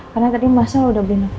karena tadi masa lo udah beli napalm kan